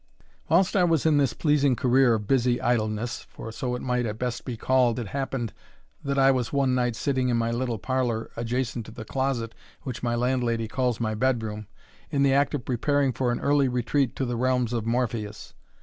Whilst I was in this pleasing career of busy idleness, for so it might at best be called, it happened that I was one night sitting in my little parlour, adjacent to the closet which my landlady calls my bedroom, in the act of preparing for an early retreat to the realms of Morpheus.